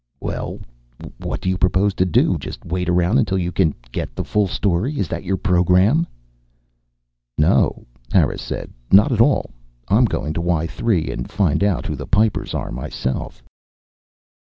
Well? What do you propose to do? Just wait around until you can get the full story? Is that your program?" "No," Harris said. "Not at all. I'm going to Y 3 and find out who the Pipers are, myself."